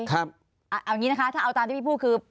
เอาอย่างนี้นะคะถ้าเอาตามที่พี่พูดคือ